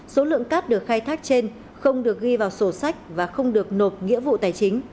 số lượng cát được khai thác trên không được ghi vào sổ sách và không được nộp nghĩa vụ tài chính